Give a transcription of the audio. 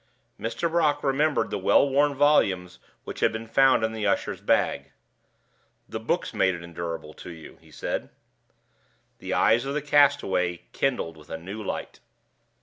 Mr. Brock remembered the well worn volumes which had been found in the usher's bag. "The books made it endurable to you," he said. The eyes of the castaway kindled with a new light.